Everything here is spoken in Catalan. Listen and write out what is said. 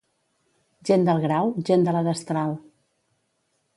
Gent del grau, gent de la destral.